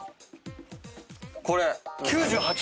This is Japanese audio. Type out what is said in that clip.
これ。